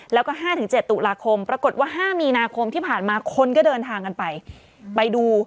แล้วก็๕๗ตุลาคมปรากฏว่า๕มีนาคมที่ผ่านมาคนก็เดินทางกันไปไปดู